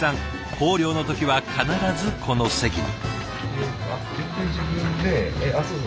校了の時は必ずこの席に。